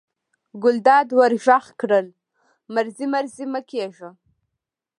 ګلداد ور غږ کړل: مزری مزری مه کېږه.